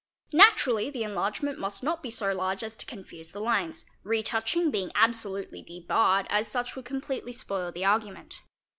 Naturally the enlargement must not be so large as to confuse the lines, retouching being absolutely debarred, as such would completely spoil the argument.